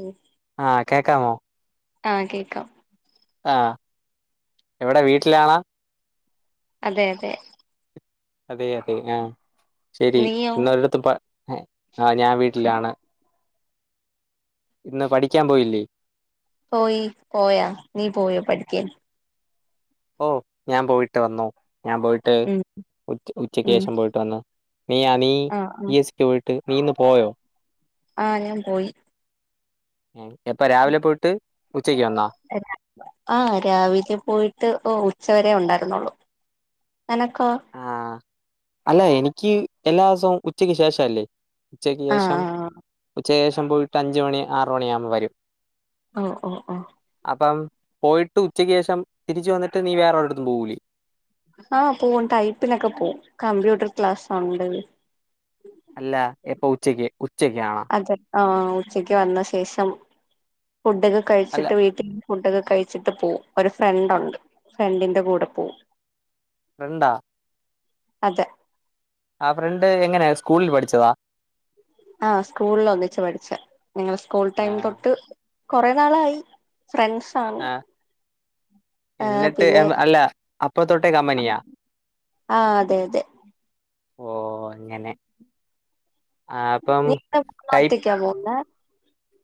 ഉം ആഹ് കേക്കാമോ ആഹ കേക്കാം ആ എവിടെ വീട്ടിലാണോ അതെ അതെ അതെ അതെ ആഹ ശരി നീയോ ഇന്നൊരിടത്തു ആ് ഞാൻ വീട്ടിലാണ് ഇന്ന് പഠിക്കാൻ പോയില്ലേ പോയി പോയാ നീ പോയോ പഠിക്കൻ ഓ ഞാൻ പോയിട്ട് വന്ന് ഞാൻ പോയിട്ട് ഉം ഉ ഉച്ചക്ക് ഉം ശേഷം പോയിട്ട് വന്നു നീ ആ നീ ആഹ് ആഹ് പി എ സിക്ക് പോയിട്ട് നീ ഇന്ന് പോയോ ആഹ ഞാൻ പോയി എപ്പ രാവിലെ പോയിട്ട് ഉച്ചക്ക് വന്നാ ആഹ രാവിലെ പോയിട്ട് ഉച്ചവരെ ഉണ്ടായിരുന്നുള്ളു അനക്കോ ആഹ അല്ല എനിക്ക് എല്ലാ ദിവസവും ഉച്ചക്ക് ശേഷംല്ലേ ഉച്ചയ്ക്ക് ശേഷം ആഹ് ഉച്ചയ്ക്ക് ശേഷം പോയിട്ട് അഞ്ച് മണി ആറ് മണി ആകുമ്പോ വരും ഓ ഓ ഓ അപ്പം പോയിട്ട് ഉച്ചയ്ക്ക് ശേഷം തിരിച്ച വന്നിട്ട് നീ വേറെ വേറേഒരിടത്തും പോവൂലേ ആഹ പോകും ടൈപ്പിനൊക്കെ പോകും കമ്പ്യൂട്ടർ ക്ലാസ്സ് ഉണ്ട് അല്ല എപ്പൊ ഉച്ചക്ക് ഉച്ചക്ക് ആണോ അതെ ആഹ ഉച്ചയ്ക്ക് വന്ന ശേഷം ഫുഡൊക്കെ അല്ല കഴിച്ചിട്ട് വീട്ടിൽ ഫുഡൊക്ക കഴിച്ചിട്ട് പോവും ഒരു ഫ്രണ്ട് ഉണ്ട് ഫ്രണ്ടിന്റെ കൂടെ പോകും ഫ്രണ്ടാ അതെ ആ ഫ്രണ്ട് എങ്ങനെയാ സ്കൂളിൽ പഠിച്ചതാ ആ സ്കൂളിൽ ഒന്നിച്ച് പഠിച്ച് ഞങ്ങള് സ്കൂൾ ആ ടൈം തൊട്ട് കൊറെ നാളായി ഫ്രൺസാണ് ആ എന്നിട്ട് അല്ല അപ്പ തൊട്ടേ കമ്പനിയാ ആഹ് അതെ അതെ ഓ അങ്ങനെ ആ അപ്പം നീ ഒറ്റക്കാ ടൈപ്പ് പോകുന്നെ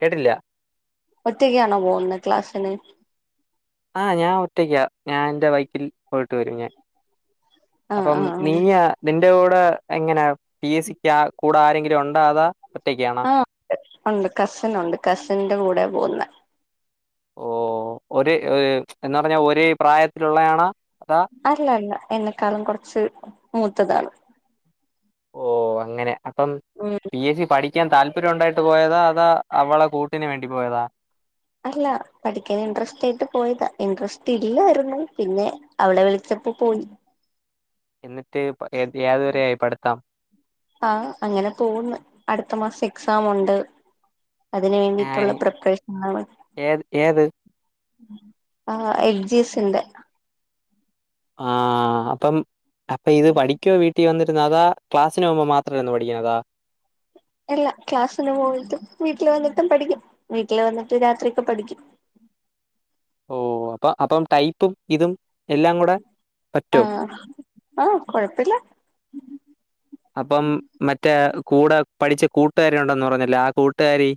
കേട്ടില്ല ഒറ്റക്കാണോ പോകുന്നത് ക്ലാസ്സിന് ആ ഞാൻ ഒറ്റയ്ക്ക ഞാൻ എൻന്റെ ബൈക്കിൽ പോയിട്ട് വരും ഞാൻ ആഹ് അപ്പം ആഹ് നീയ നിന്റെ കൂടെ എങ്ങനെ പി എ സിക്ക് കൂടെ ആരെങ്കിലും ഉണ്ടാ അതാ ഒറ്റക്ക ആ ഉണ്ട് കസിൻ ഉണ്ട് കസിന്റെ കൂടെ പോകുന്നേ ഓ ഒരേ എന്ന് പറഞ്ഞാ ഒരേ പ്രായത്തിലുള്ളതാണാ അല്ല അല്ല എന്നെക്കാളും കുറച്ച് മൂത്തതാണ് ഓ അങ്ങനെ അപ്പം ഉം പി എസ് സി പഠിക്കാൻ താല്പര്യം ഉണ്ടായിട്ട് പോയതാ അതാ അവളെ കൂട്ടിന് വേണ്ടി പോയതാ അല്ല പഠിക്കാൻ ഇൻട്രസ്റ്റ് ആയിട്ട് പോയതാ ഇൻട്രസ്റ്റ് ഇല്ലായിരുന്നു പിന്നെ അവൾ വിളിച്ചപ്പോ പോയി എന്നിട്ട് യാതുവരായി പടുത്താം ആ അങ്ങനെ പോവ്ന്ന് അടുത്ത മാസം എക്സാം ഉണ്ട് അതിന് വേണ്ടിയിട്ടുള്ള ഏഹ് പ്രിപ്പറേഷനുകളാ ഏത് ഏത് ആ എൽജീസിന്റെ ആഹ് അപ്പം അപ്പൊ ഇത് പഠിക്കുവോ വീട്ടിൽ വന്നിട്ട് അതാ ക്ലാസ്സിന്പോകുമ്പോ മാത്രമായിരുന്നോ പഠിക്കുന്നതാ എല്ലാ ക്ലാസ്സിന് പോയിട്ടും വീട്ടില് വന്നിട്ടും പഠിക്കും വീട്ടിൽ വന്നിട്ട് രാത്രിയൊക്കെ പഠിക്കും ഓ അപ്പൊ അപ്പം ടൈപ്പും ഇതും എല്ലാം കൂടെ പറ്റോ ആഹ് ആഹ് കൊഴപ്പല്ല്യ അപ്പം മറ്റേ കൂടെ പഠിച്ച കൂട്ടുകാരി ഉണ്ടെന്ന് പറഞ്ഞില്ലേ കൂട്ടുകാരി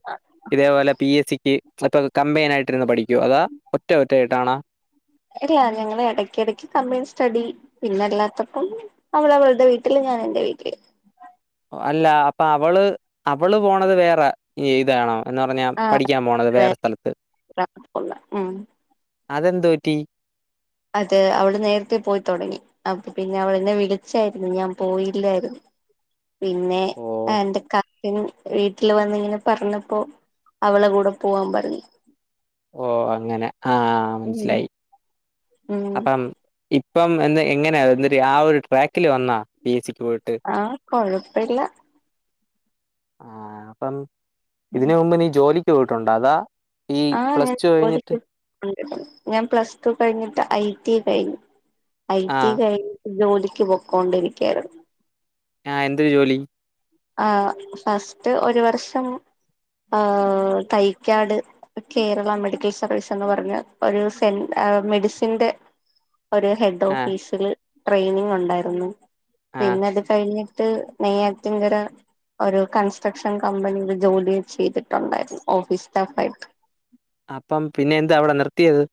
ഇതേപോലെ പി എസ് സിക്ക് ഇപ്പൊ കമ്പയിൻ ആയിട്ടിരുന്ന് പഠിക്കോ അതോ ഒറ്റ ഒറ്റ ആയ്യിട്ട് കാണാം അല്ല ഞങ്ങള് ഇടക്ക ഇടക്ക് കമ്പീൻ സ്റ്റഡി പിന്നെല്ലാത്തപ്പം അവള് അവളുടെ വീട്ടില് ഞാൻ എന്റെ വീട്ടില് അല്ല അപ്പൊ അവള് അവള് പോണത് വേറെ ഏയ്താണോ എന്ന് പറഞ്ഞ ആ പഠിക്കാൻ പോണത് വേറെ സ്ഥലത്ത് ഉം അത്എന്തുപറ്റി അതെ അവള് നേരത്തെ പോയിതുടങ്ങി അ പിന്നെ അവള് എന്നെ വിളിച്ചായിരുന്നു ഞാൻ പോയില്ലായിരുന്നു [inaudible] പിന്നെ ഓ എന്തൊക്ക പിന്നെ വീട്ടിൽ വന്നിങ്ങനെ പറഞ്ഞപ്പോ അവളെ കൂടെ പോവാൻ പറഞ്ഞു ഓ അങ്ങനെ ആഹ് ഉം മനസിലായി ഉം അപ്പം ഇപ്പം എ എങ്ങനാ എന്നിട്ട ആ ഒരു ട്രാക്കിൽ വന്നാ പി എസ് സിക്ക് പോയിട്ട് ആഹ് കൊഴപ്പില്ല ആഹ് അപ്പം ഇതിന് മുമ്പ് നീ ജോലിക്ക് പോയിട്ടുണ്ടോ അതാ ഈ ഞാൻ ആഹ് പ്ലസ് അങ്ങനെ ടു കഴിഞ്ഞിട്ട്? ജോലിക്ക് പോയിട്ടില്ല ഞാൻ പ്ലസ് ടു കഴിഞ്ഞിട്ട് ഐ ടി ഐ കഴിഞ്ഞു ഐ ആ ടി ഐ കഴിഞ്ഞ് ജോലിക്ക് പൊക്കോണ്ടിരിക്കാണ് ആഹ് എന്ത ജോലി ആ ഫസ്റ്റ് ഒരു വർഷം ആഹ് തയ്ക്കാട് കേരള മെഡിക്കൽ സർവീസ് എന്ന് പറഞ്ഞ ഒരു സെ മെഡിസിന്റെ ഒരു ആ ഓഫീസിൽ ട്രെയിനിങ് ഉണ്ടായിരുന്നു ആ പിന്നെ അത് കഴിഞ്ഞിട്ട് ന യ്യാറ്റിൻകര ഒരു കൺസ്ട്രക്ഷൻ കമ്പനിയൽ ജോലി ചെയ്തിട്ടുണ്ടായിരുന്നു ഓഫീസ് സ്റ്റാഫ് ആയിട്ട് അപ്പം പിന്നെ എന്താ അവിടെ നിർത്തിയത്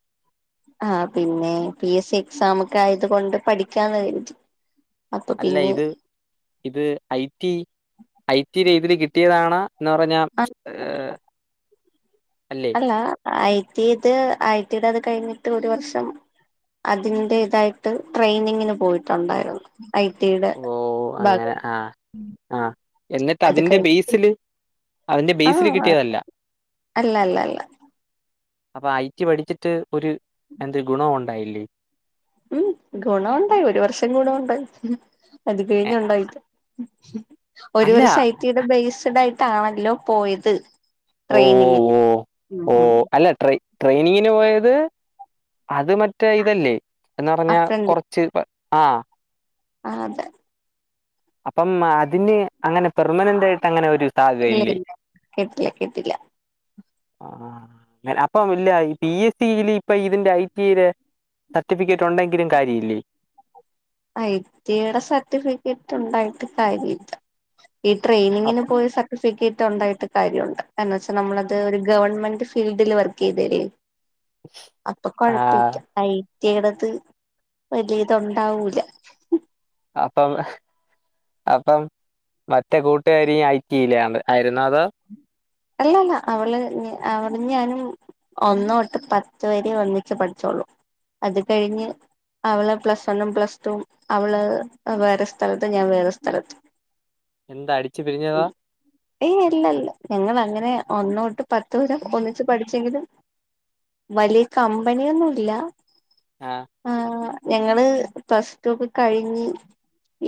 ആ പിന്നെ പി എസ് സി എക്സാമൊക്കെ ആയത് കൊണ്ട് പഠിക്കാന്ന് കരുതി അപ്പൊ അല്ല പിന്നെ ഇത് ഇത് ഐ ടി ഐടി രീതിൽ കിട്ടിയതാണ എന്ന് പറഞ്ഞാൽ അ അല്ല ഐ ടി ഇത് ഐടിയുടെ അത് കഴിഞ്ഞിട്ട് ഒരു വർഷം അതിന്റെതായിട്ട് ട്രെയിനിങ്ങിന് പോയിട്ടുണ്ടായിരുന്നു ഐടിയുടെ ഓ അങ്ങനെ ഭാഗം ആ ആ എന്നിട്ട് അത് അതിന്റെ കഴിഞ്ഞ് ബേസില് അതിന്റെ ബേസിൽ ആഹ് കിട്ടിയതല്ല അല്ല അല്ല അല്ല അപ്പൊ ഐ ടി പഠിച്ചിട്ട് ഒരു എന്ത് ഗുണവും ഉണ്ടായില്ലേ ഉം ഗുണമുണ്ടായി ഒരു വർഷം ഗുണമുണ്ടായി അത് എ, കഴിഞ്ഞുണ്ടായില്ല ഒരു അല്ല വർഷം ഐടിയുടെ ബേസ്ഡ് ആയിട്ടാണല്ലോ പോയത് ഓ ട്രെയിനിങ്ങിന് ഓ ഓ ഉം ഓ ഉം അല്ല ട്രൈനിങ് ട്രെയിനിങ്ങിന് പോയത് അത് മറ്റേ ഇതല്ലേ എന്ന് പറഞ്ഞാ അപ്പണ്ട് കുറച്ച് ആ ആഹ് അതെ അപ്പം അതിന് അങ്ങനെ പെർമനന്റ് ആയിട്ടങ്ങനെ ഒരു ഇല്ല ഇല്ല കിട്ടില്ല കിട്ടില്ല ആഹ് അപ്പ ഇല്ല പി എസ് സിയില് ഇപ്പൊ ഇതിന്റെ ഐ ടി ഐ ല് സർട്ടിഫിക്കറ്റ് ഒണ്ടെങ്കിലും കാര്യഇല്ലേ ഐടിയടെ സർട്ടിഫിക്കറ്റ് ഒണ്ടായിട്ട് കാര്യ ഇല്ല ഈ അപ്പ ട്രെയിനിങ്ങിന് പോയ സ സർട്ടിഫിക്കറ്റ് ഒണ്ടായിട്ട് കാര്യവൊണ്ട് എന്താന്ന് വെച്ചാ നമ്മളത് ഒരു ഗവൺമെന്റ് ഫീൽഡില് വർക്ക് ചെയ്തല്ലേ അപ്പൊ ആ കൊഴപ്പില്ല ഐ ടി യെടത് വല്യ ഇതൊണ്ടാവൂല അപ്പം അപ്പം മറ്റേ കൂട്ടുകാരി ഐ ടി യിലാണ് ആരുന്നോ അതോ അല്ലല്ല അവള് ഉം അവളും ഞാനും ഒന്ന് തൊട്ട് പത്ത് വരെ ഒന്നിച്ചു പഠിച്ചൊള്ളു അത് കഴിഞ്ഞ് അവള് പ്ലസ് വണ്ണും പ്ലസ് ടും അവള് വേറെ സ്ഥലത്ത് ഞാൻ വേറെ സ്ഥലത്ത് എന്താ അടിച്ചു പിരിഞ്ഞതാ ഏയ് അല്ലല്ല ഞങ്ങളങ്ങനെ ഒന്ന്തൊട്ട് പത്ത് വരെ ഒന്നിച്ച് പഠിച്ചെങ്കിലും വലിയ കമ്പനിയൊന്നുംല്ല ആഹ് ആഹ് ഞങ്ങള് പ്ലസ് ടു ഒക്കെ കഴിഞ്ഞ്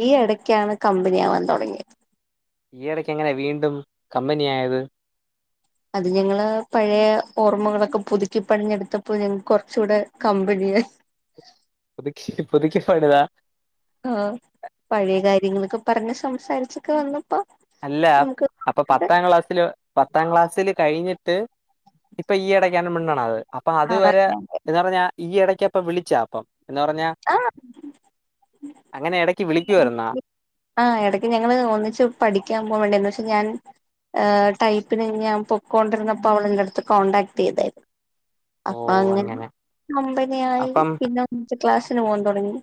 ഈ എടയ്ക്കാണ് കമ്പനി ആവാൻ തൊടങ്ങിയത് ഈയിടയ്ക്ക് എങ്ങനെ വീണ്ടും കമ്പനി ആയത് അത് ഞങ്ങള് പഴയ ഓർമ്മകളൊക്കെ പുതുക്കി പണിഞ്ഞെടുത്തപ്പോ ഞങ്ങക്ക് കൊറച്ചുകൂടെ കമ്പനിയായ് പുതുക്കി പുതുക്കി പണിതാ ആഹ് പഴയ കാര്യങ്ങളൊക്കെ പറഞ്ഞ് സംസാരിച്ചൊക്കെ വന്നപ്പോ അല്ല നമുക്ക് അപ്പൊ പത്താം ക്ലാസ് ല് പത്താം ക്ലാസ്സില് കഴിഞ്ഞിട്ട് ഇപ്പൊ ഈ എടക്കാണ് മിണ്ടണത് അപ്പൊ ആ അത് വരെ എന്ന് പറഞ്ഞാ ഈ ഇടക്ക്പ്പ വിളിച്ചാ അപ്പം എന്ന് പറഞ്ഞാ ആഹ് അങ്ങനെ ഇടയ്ക്ക് വിളിക്കുമായിരുന്നാ ആ എടയ്ക്ക് ഞങ്ങള് ഒന്നിച്ച് പഠിക്കാൻ പോകാൻ വേണ്ടിന്ന്ക്ഷെ ഞാൻ ഏഹ് ടൈപ്പിന് ഞാ പൊക്കൊണ്ടിരുന്നപ്പോ അവളെന്റട്ത്ത് കോണ്ടടാക്ട് ചെയ്താരുന്നു അപ്പൊ അങ്ങനെ കമ്പനിയായി അപ്പം പിന്നെ ഒരുമിച്ച് ക്ലാസ്സിന് പോകാൻ തൊടങ്ങി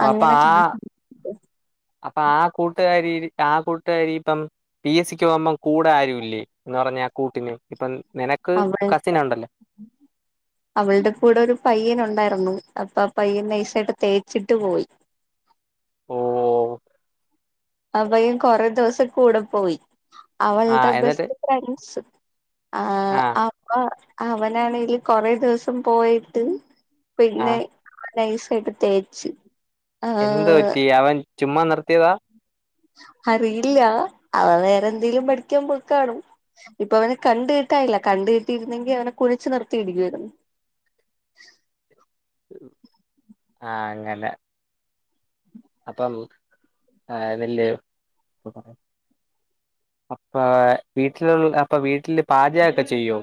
ഓഹ് അപ്പൊ ആ ഉം അപ്പൊ ആ കൂട്ടുകാരി ആ കൂട്ടുകാരി ഇപ്പം പി എസ് സിക്ക് പോകുമ്പം കൂടെ ആരു ഇല്ലേ എന്ന് പറഞ്ഞ ആ കൂട്ടിന് ഇപ്പം നിനക്ക് അവൾ കസിൻ ഒണ്ടല്ലോ [inaudible] അവൾടെ കൂടെ ഒരു പയ്യൻ ഒണ്ടാരുന്നു അപ്പൊ ആ പയ്യൻ നൈസായിട്ട് തേച്ചിട്ട് പോയി ഓഹ് ആഹ് പയ്യൻ കൊറെ ദിവസം കൂടെ പോയി അവളുടെ ആഹ് എന്നിട്ട് ബെസ്റ്റ് ഫ്രണ്ട്സ് ആഹ് അപ്പ അവനാണെല് കൊറേ ദിവസം പോയിട്ട് പിന്നെ ആഹ് നൈസായിട്ട് തേച്ച് എന്ത്‌ ആഹ് പറ്റി അവൻ ചുമ്മാ നിർത്തിയതാ അറിയില്ല അവൻ വേറെ എന്തേലും പഠിക്കാൻ പോയ്ക്കാണും ഇപ്പൊ അവനെ കണ്ട് കിട്ടായില്ല കണ്ട് കിട്ടിയിരുന്നെങ്കി അവനെ കുനിച്ചു നിർത്തി ഇടിക്കുവാരുന്നു ആഹ് അങ്ങനെ അപ്പം ആഹ് നെല്ല് അപ്പാ വീട്ട്ല് അപ്പ വീട്ട്ല് പാചകക്കെ ചെയ്യോ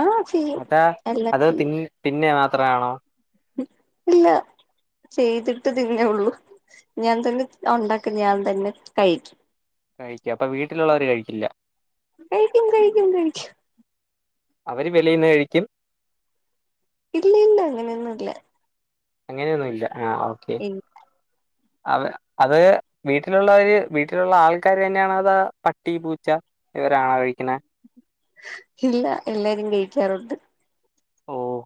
ആഹ് ചെയ്യും അതാ എല്ലാം അത് തിൻ തിന്ന മാത്രാണോ അല്ലാ ചെയ്തിട്ട് തിന്നേ ഒള്ളു ഞാൻ തന്നെ ഒണ്ടാക്ക്ണ് ഞാൻ തന്നെ കഴിക്ക്യും കഴിക്ക്യും അപ്പ വീട്ടിലുള്ളവര് കഴിയ്ക്കില്ലാ കഴിക്ക്യും കഴിക്ക്യും കഴിക്ക്യും അവര് വെളീന്ന് കഴിക്ക്യും ഇല്ലില്ലാ അങ്ങനെയൊന്നുല്ലാ അങ്ങനെയൊന്നുല്ലാ ആഹ് ഓക്കെ അവ അത് വീട്ടിലുള്ളവെര് വീട്ടിലുള്ള ആൾക്കാര് തന്നെയാണാ അതോ പട്ടി പൂച്ചാ ഇവരാണാേ കഴിക്ക്ണേ ഇല്ല എല്ലാരും കഴിക്ക്യാറുണ്ട്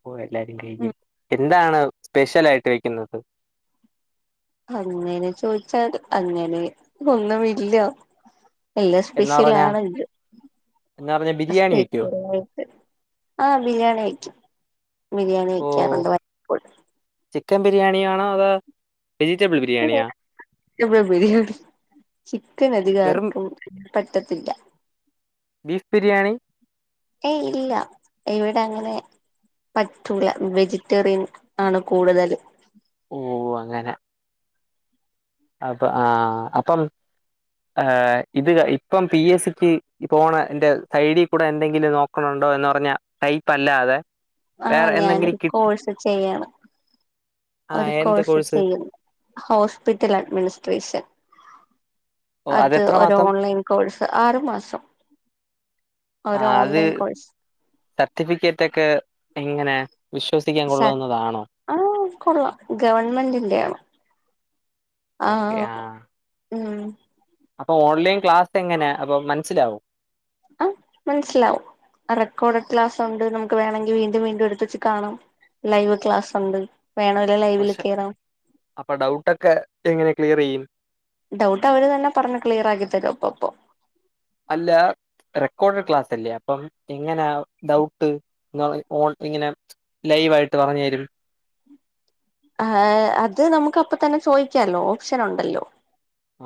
ഓ എല്ലാരും ഉം കഴിക്ക്യും എന്താണ് സ്പെഷ്യാലായ്ട്ട് കഴിക്ക്യ്ന്നത് അങ്ങെനെ ചോയ്ച്ചാൽ അങ്ങെനെ ഒന്നുമില്ലാ എല്ലാം എന്ന് പറഞ്ഞാ സ്പെഷ്യലാണല്ലോ എന്ന് പറഞ്ഞാ ബിരിയാണി വെക്കോ സ്പെഷലായ് ആഹ് ബിരിയാണി വെക്ക്യും ബിരിയാണി ഓ! വെക്ക്യാറുണ്ട് വ ചിക്കൻ ബിരിയാണിയാണോ അതോ വെജിറ്റബിൾ ബിരി ബ്ൾ ബിരിയാണി ചിക്കൻ വെറും അധികാര്ക്കും പറ്റത്തില്ലാ ബീഫ് ബിരിയാണി ഏയ് ഇല്ല ഇവിടെ അങ്ങെനെ പറ്റൂല വെജിറ്റേറിയൻ ആണ് കൂട്തെല് ഓഹ് അങ്ങനെ അപ്പ ആഹ് അപ്പം ആഹ് ഇത് ഇപ്പം പി എസ്സിക്ക് പോണ എന്റെ ഐഡികൂടെ എന്തെങ്കിലും നോ ക്ക്ണുണ്ടോ എന്ന് പർഞ്ഞ ടൈപ്പല്ലാതെ ആഹ് ഞാനൊരു കോഴ്സ് ചെയ്യാണ് ആ ഒരു എന്ത് കോഴ്സ് ചെയ്യ്ന്ന് ഹോസ്പിറ്റലഡ്മിനിസ്ട്രേഷൻ ഓ! അത് അതെത്ര ഒര് മാസം? ഓൺലൈൻ കോഴ്സ് ആറു മാസം ഒര് ഓൺലൈൻ കോഴ്സ് സർട്ടിഫിക്കെറ്റെക്കെ എങ്ങെനെ വിശ്വസിക്കാം കൊള്ളാവ്ന്നതാണോ ആഹ് കൊള്ളാം ഗവൺമെന്റിന്റെയാണ് ഓക്കെ. ആഹ് ഊം അപ്പ ഓൺലൈൻ ക്ലാസെങ്ങെനെ അപ്പം മന്സ്സിലാവോ ആഹ് മനസ്സിലാവും അഹ് റെക്കോഡഡ് ക്ലാസുണ്ട് നമുക്ക് വേണങ്കി വീണ്ടും വീണ്ടും എടുത്തെച്ച് കാണാം ലൈവ് ക്ലാസുണ്ട് വേണോല് ലൈവില് കേറാം അപ്പ ഡൗട്ടൊക്കെ എങ്ങെനെ ക്ലിയെറെയ്യും ഡൗട്ട് അവര് തന്നെ പറഞ്ഞ് ക്ലിയറാക്കി തരും അപ്പം അപ്പം അല്ലാ റെക്കോഡെഡ് ക്ലാസല്ലേ അപ്പം എങ്ങെനാ ഡൗട്ട് ങ്ങാ ഓൾപ്പിങ്ങെനെ ലൈവായിട്ട് പറഞ്ഞ് തരും ആഹ് അത് നമുക്കപ്പതന്നെ ചോയ്ക്കാല്ലോ ഓപ്ഷനൊണ്ടല്ലോ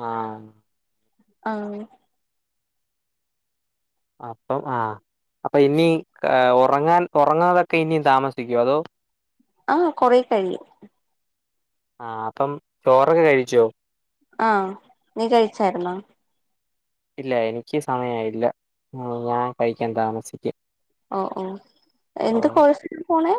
ആഹ് ആഹ് അപ്പം ആഹ് അപ്പൊ ഇനി ഏഹ് ഒറങ്ങാൻ ഒറങ്ങാതൊക്കെ ഇനീം താമസിക്കോ അതോ ആഹ് കൊറെ കഴിയും ആഹ് അപ്പം ചോറൊക്കെ കഴിച്ചോ ആഹ് നീ കഴിച്ചായിരുന്നോ? ഇല്ല എനിക്ക് സമയായില്ല ഞാൻ കഴിക്കാൻ താമസിക്കും ഓഹ് ഓഹ് എന്ത് ഓഹ് കോഴ്സിനാ പോണെ